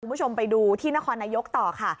คุณผู้ชมไปดูที่นครนายกต่อค่ะ